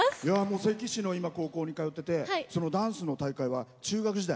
関市の高校に通っててダンスの大会は中学時代？